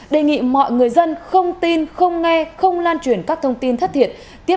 đề nghị mọi người dân không tin không nghe không lan truyền các thông tin thất thiệt